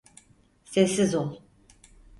Sessiz ol!